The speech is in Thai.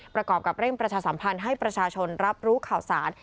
ประกอบกับเร่งประชาสัมพันธ์ให้ประชาชนรับรู้ข่าวสาร